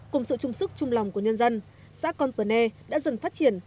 cùng sự trung sức trung lòng của nhân dân xã cơn vân e đã dần phát triển